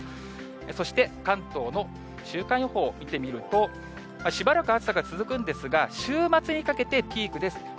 そして関東の週間予報見てみると、しばらく暑さが続くんですが、週末にかけてピークです。